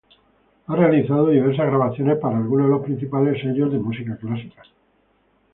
Ha realizado diversas grabaciones para algunas de los principales sellos de música clásica.